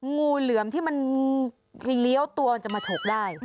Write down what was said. งูเหลือมที่มันเลี้ยวตัวจะมาฉกได้